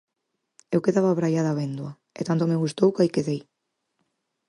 Eu quedaba abraiada véndoa, e tanto me gustou que aí quedei.